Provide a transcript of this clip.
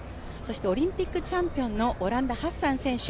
オリンピックチャンピオンのオランダ、ハッサン選手。